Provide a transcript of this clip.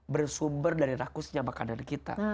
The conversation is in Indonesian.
bersumber dari rakusnya makanan kita